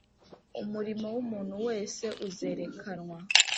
umurimo w'umuntu wese uzerekanwa.